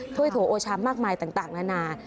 ถ้วโอชามากมายต่างนานา